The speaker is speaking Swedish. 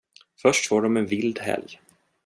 Först får de en vild helg.